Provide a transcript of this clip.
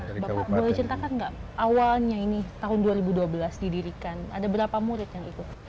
bapak boleh ceritakan nggak awalnya ini tahun dua ribu dua belas didirikan ada berapa murid yang ikut